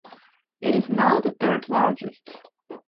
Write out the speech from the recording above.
It is now the third largest.